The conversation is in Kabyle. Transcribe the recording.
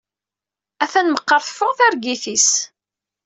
Atan meqqar teffeɣ targit-is.